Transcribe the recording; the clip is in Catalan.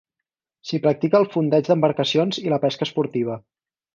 S'hi practica el fondeig d'embarcacions i la pesca esportiva.